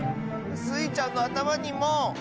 スイちゃんのあたまにも！